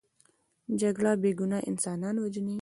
جګړه بې ګناه انسانان وژني